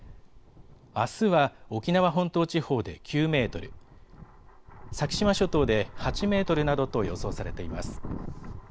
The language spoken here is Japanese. あすは沖縄本島地方で９メートル、先島諸島で８メートルなどと予想されています。